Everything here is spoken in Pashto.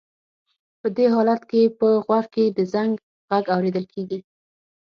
په دې حالت کې په غوږ کې د زنګ غږ اورېدل کېږي.